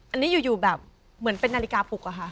อันนี้อยู่แบบเหมือนเป็นนาฬิกาปลุกอะค่ะ